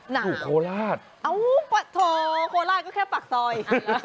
หนาวโคลาศโคลาศก็แค่ปากซอย